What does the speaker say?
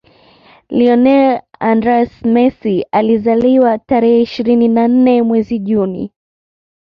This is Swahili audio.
Lionel AndrÃs Messi alizaliwa tarehe ishirini na nne mwezi Juni